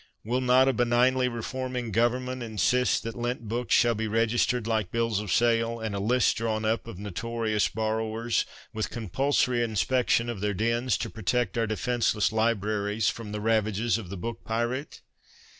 Will not a benignly reforming Government insist that lent books shall be registered like bills of sale, and a list drawn up of notorious ' THE CULT OF THE BOOKPLATE ' 85 borrowers, with compulsory inspection of their dens, to protect our defenceless libraries from the ravages of the book pirate